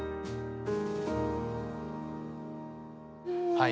はい。